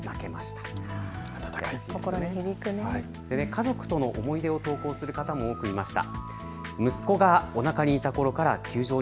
家族との思い出を投稿する方も多くいました。